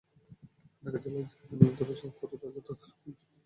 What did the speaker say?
ঢাকা জেলার আইন শৃঙ্খলা নিয়ন্ত্রণসহ পুরো কাজের তদারক করবেন পুলিশ সুপার নিজেই।